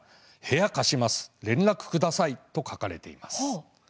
部屋貸します、連絡くださいと書かれています。